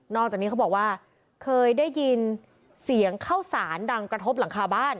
จากนี้เขาบอกว่าเคยได้ยินเสียงเข้าสารดังกระทบหลังคาบ้าน